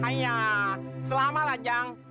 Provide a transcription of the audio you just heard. haiya selamatlah jang